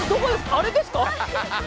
あれですか？